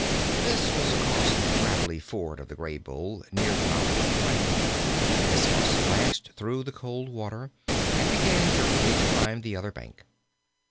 This was across the gravelly ford of the Graybull, near the mouth of the Piney. His horse splashed through the cold water and began jerkily to climb the other bank.